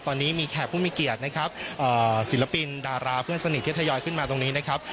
ตอนนี้มีแขกผู้มีเกียรตินะครับศิลปินดาราเพื่อนสนิทที่ทยอยขึ้นมาตรงนี้นะครับ